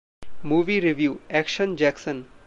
Movie Review: Action Jackson